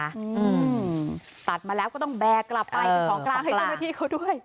อืมตัดมาแล้วก็ต้องแบกกลับไปเป็นของกลางให้เจ้าหน้าที่เขาด้วย